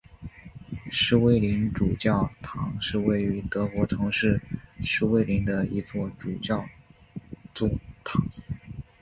诗威林主教座堂是位于德国城市诗威林的一座主教座堂。